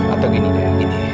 atau gini deh